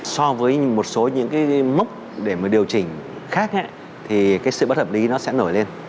so với một số những cái mốc để mà điều chỉnh khác thì cái sự bất hợp lý nó sẽ nổi lên